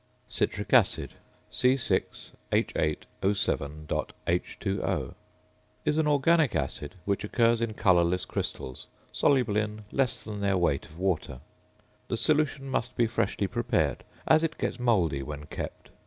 ~Citric Acid~ (H_[=C=i] or C_H_O_.H_O) is an organic acid which occurs in colourless crystals, soluble in less than their weight of water. The solution must be freshly prepared, as it gets mouldy when kept.